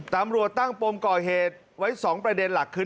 ตำรวจตั้งปมก่อเหตุไว้๒ประเด็นหลักคือ